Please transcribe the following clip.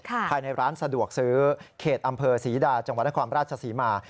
ภายในร้านสะดวกซื้อเขตอำเภอศรีดาจังหวัดนครราชศรีมา